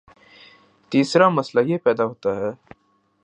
تیسرامسئلہ یہ پیدا ہوتا ہے